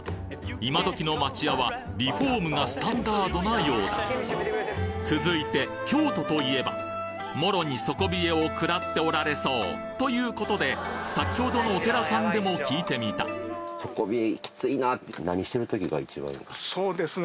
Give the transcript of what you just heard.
今どきの町家はリフォームがスタンダードなようだ続いて京都といえばもろに底冷えをくらっておられそうという事で先ほどのお寺さんでも聞いてみたそうですね